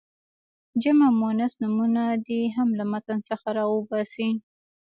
جمع مؤنث نومونه دې هم له متن څخه را وباسي.